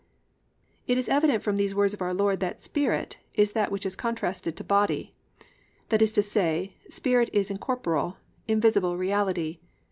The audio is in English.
"+ It is evident from these words of our Lord that spirit is that which is contrasted to body. That is to say, spirit is incorporeal, invisible reality.